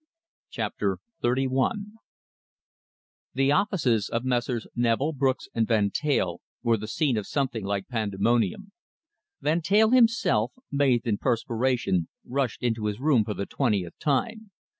CHAPTER XXXI The offices of Messrs. Neville, Brooks, and Van Teyl were the scene of something like pandemonium. Van Teyl himself, bathed in perspiration, rushed into his room for the twentieth time.